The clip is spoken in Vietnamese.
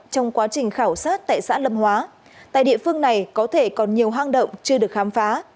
trong quá trình khảo sát tại xã lâm hóa tại địa phương này có thể còn nhiều hang động chưa được khám phá